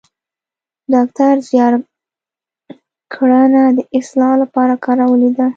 ډاکتر زیار ګړنه د اصطلاح لپاره کارولې ده